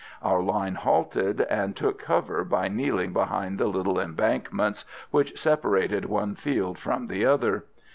Our line halted, and took cover by kneeling behind the little embankments which separated one field from the other.